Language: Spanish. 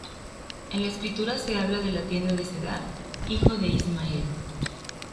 En la escritura se habla de la tienda de Cedar, hijo de Ismael.